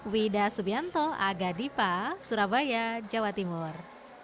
wida subianto aga dipa surabaya jawa timur